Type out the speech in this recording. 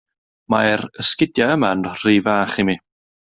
Mae'r esgidiau yma'n rhy fach i mi.